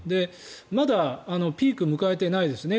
まだピークを迎えていないですね